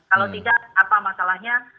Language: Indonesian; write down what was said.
kalau tidak apa masalahnya